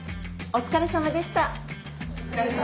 お疲れさまでした。